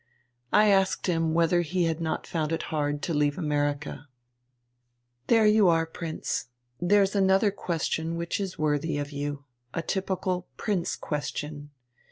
"I asked him whether he had not found it hard to leave America." "There you are, Prince, there's another question which is worthy of you, a typical Prince question.